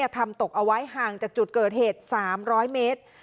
ตกเอาไว้ห่างจากจุดเกิดเหตุ๓๐๐เมตร